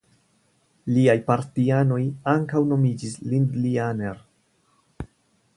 Liaj partianoj ankaŭ nomiĝis "Lindlianer".